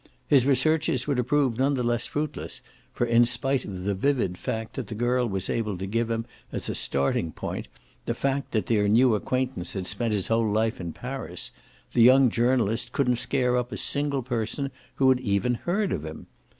His researches were to prove none the less fruitless, for in spite of the vivid fact the girl was able to give him as a starting point, the fact that their new acquaintance had spent his whole life in Paris, the young journalist couldn't scare up a single person who had even heard of him.